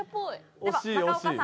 では中岡さん。